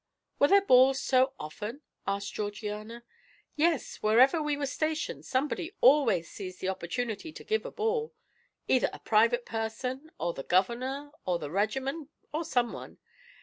"Were there balls so often?" asked Georgiana. "Yes; wherever we were stationed somebody always seized the opportunity to give a ball, either a private person, or the Governor, or the regiment, or someone.